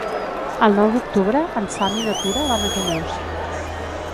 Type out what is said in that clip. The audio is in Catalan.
El nou d'octubre en Sam i na Tura van a Callús.